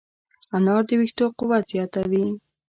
انار د ویښتو قوت زیاتوي.